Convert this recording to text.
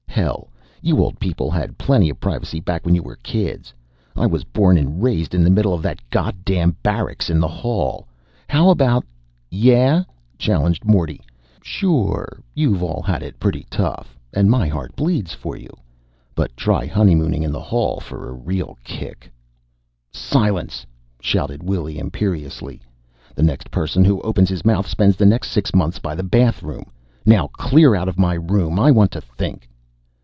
"Hell, you old people had plenty of privacy back when you were kids. I was born and raised in the middle of that goddamn barracks in the hall! How about " "Yeah?" challenged Morty. "Sure, you've all had it pretty tough, and my heart bleeds for you. But try honeymooning in the hall for a real kick." "Silence!" shouted Willy imperiously. "The next person who opens his mouth spends the next sixth months by the bathroom. Now clear out of my room. I want to think."